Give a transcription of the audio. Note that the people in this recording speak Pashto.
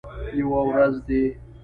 یوه ورځ دي